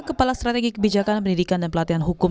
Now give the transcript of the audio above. kepala strategi kebijakan pendidikan dan pelatihan hukum